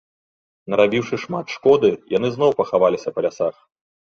Нарабіўшы шмат шкоды, яны зноў пахаваліся па лясах.